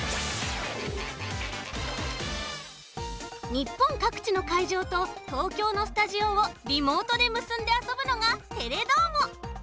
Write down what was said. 日本かくちのかいじょうと東京のスタジオをリモートでむすんであそぶのが「テレどーも！」。